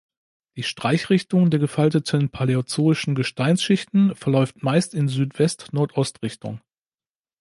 Die Streichrichtung der gefalteten paläozoischen Gesteinsschichten verläuft meist in Südwest-Nordost-Richtung.